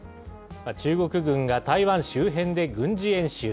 中国軍が台湾周辺で軍事演習。